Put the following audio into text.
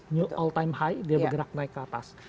new all time high dia bergerak naik ke atas